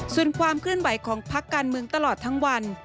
ส่วนความเคลื่อนไหวของพักการเมืองตลอดทั้งวัน